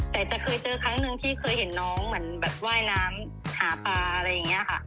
แต่จะเคยเจอครั้งหนึ่งที่เคยเห็นน้องเหมือนแบบว่ายน้ำหาปลาอะไรอย่างนี้ค่ะ